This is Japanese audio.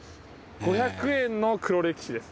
５００円の黒歴史です。